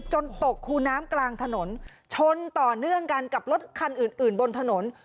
ตกคูน้ำกลางถนนชนต่อเนื่องกันกับรถคันอื่นอื่นบนถนน